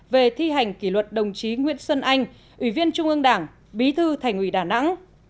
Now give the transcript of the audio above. về thi hành kỷ luật đồng chí nguyễn xuân anh ủy viên trung ương đảng bí thư thành ủy đà nẵng